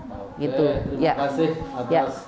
oke terima kasih atas tipsnya